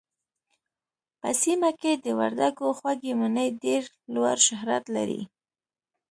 په سيمه کې د وردګو خوږې مڼې ډېر لوړ شهرت لري